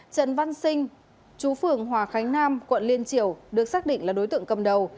trần văn sinh chú phường hòa khánh nam quận liên triều được xác định là đối tượng cầm đầu